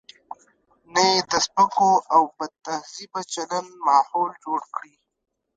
نه یې د سپکو او بدتهذیبه چلن ماحول جوړ کړي.